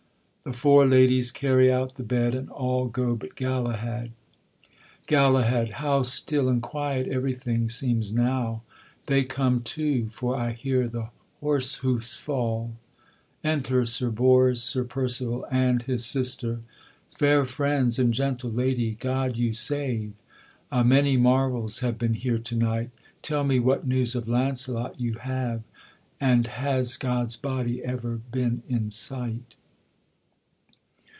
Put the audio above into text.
[The Four Ladies carry out the bed, and all go but Galahad. GALAHAD. How still and quiet everything seems now: They come, too, for I hear the horsehoofs fall. Enter Sir Bors, Sir Percival, and his Sister. Fair friends and gentle lady, God you save! A many marvels have been here to night; Tell me what news of Launcelot you have, And has God's body ever been in sight?